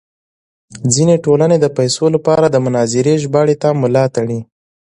ځینې ټولنې د پیسو لپاره د مناظرې ژباړې ته ملا تړي.